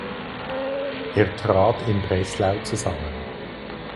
Er trat in Breslau zusammen.